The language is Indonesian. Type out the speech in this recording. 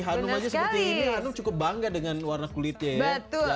hanum aja seperti ini hanum cukup bangga dengan warna kulitnya ya